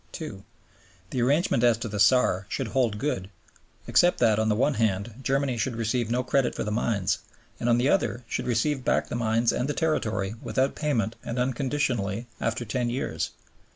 (2) The arrangement as to the Saar should hold good, except that, on the one hand, Germany should receive no credit for the mines, and, on the other, should receive back both the mines and the territory without payment and unconditionally after ten years.